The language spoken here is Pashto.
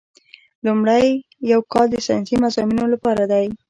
لومړی یو کال د ساینسي مضامینو لپاره دی.